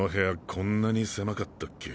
こんなに狭かったっけ。